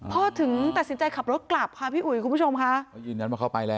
พ่อถึงตัดสินใจขับรถกลับค่ะพี่อุ๋ยคุณผู้ชมค่ะ